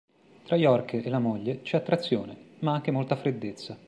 Tra Yorke e la moglie c'è attrazione; ma anche molta freddezza.